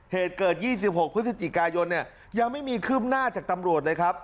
เหตุเกิด๒๖พฤศจิกายนเนี่ยยังไม่มีคืบหน้าจากตำรวจเลยครับ